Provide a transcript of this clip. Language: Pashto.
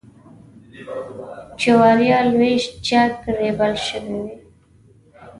جوارېوه لویشت جګ ریبل شوي وې.